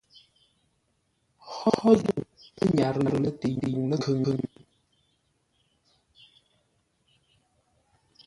Hó zə̂u pə́ nyarə no lətəi-ndwuŋ ləkhʉŋ?